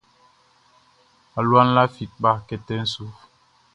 Alua lafi kpa kɛtɛ su.